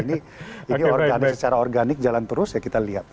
ini secara organik jalan terus ya kita lihat